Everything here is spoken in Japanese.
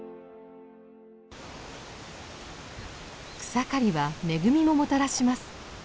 草刈りは恵みももたらします。